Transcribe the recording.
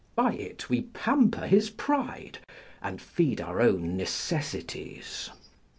By it we pamper his pride, and feed our own necessities.